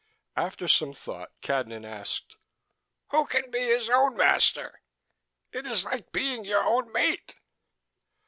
After some thought Cadnan asked: "Who can be his own master? It is like being your own mate."